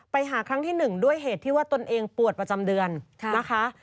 ไปหาครั้งที่๑ด้วยเหตุที่ว่าตนเองปวดประจำเดือนนะคะ